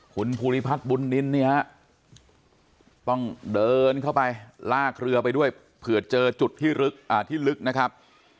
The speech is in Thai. คุณภูริพัฒน์บุญนินเนี่ยฮะต้องเดินเข้าไปลากเรือไปด้วยเผื่อเจอจุดที่ลึกนะครับ